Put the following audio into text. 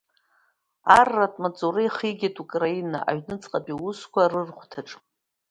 Арратә маҵура ихигеит Украина, аҩнуҵҟатәи аусқәа рыр хәҭаҿы.